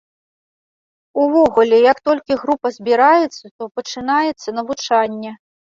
Увогуле, як толькі група збіраецца, то пачынаецца навучанне.